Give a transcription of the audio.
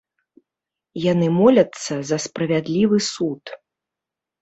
Яны моляцца за справядлівы суд.